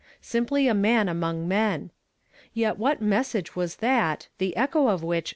Simply a man among men. Yet what message was that, the echo of which still filled the air?